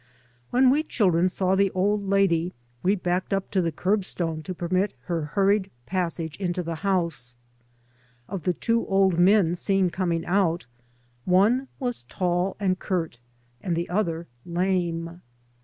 When we children saw the old lady we backed up to the curbstone to permit her hur ried passage into the house. Of the two old men seen coming out, one was tall and curt, 3 by Google MY MOTHER AND I and the other lame.